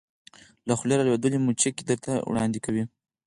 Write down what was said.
له خولې را لویدلې مچکې درته وړاندې کوې